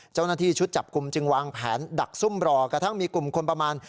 เจ้าหน้าที่ชุดจับกลุ่มจึงวางแผนดักซุ่มรอกระทั่งมีกลุ่มคนประมาณ